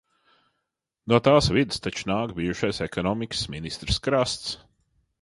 No tās vides taču nāk bijušais ekonomikas ministrs Krasts.